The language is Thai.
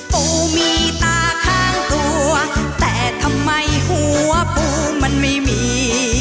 ปูมีตาข้างตัวแต่ทำไมหัวปูมันไม่มี